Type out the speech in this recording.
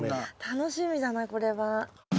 楽しみだなこれは。